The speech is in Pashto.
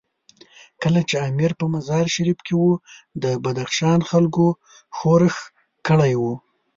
کله چې امیر په مزار شریف کې وو، د بدخشان خلکو ښورښ کړی وو.